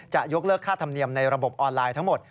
จะยกเลิกค่าธรรมเนียมในระบบออนไลน์ทั้งหมด